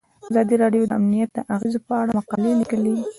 ازادي راډیو د امنیت د اغیزو په اړه مقالو لیکلي.